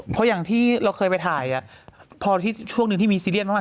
เพราะอย่างที่เราเคยไปถ่ายพอที่ช่วงหนึ่งที่มีซีเรียสมาก